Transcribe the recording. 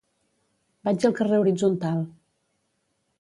Vaig al carrer Horitzontal.